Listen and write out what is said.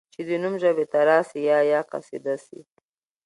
چي دي نوم ژبي ته راسي یا یا قصیده سي